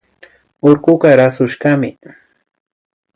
Urkuka rasushkami